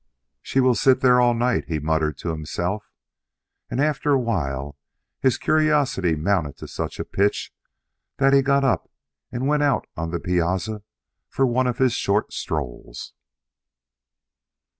"She will sit there all night," he muttered to himself; and after a while his curiosity mounted to such a pitch that he got up and went out on the piazza for one of his short strolls.